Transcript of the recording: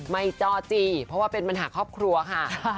จ้อจี้เพราะว่าเป็นปัญหาครอบครัวค่ะ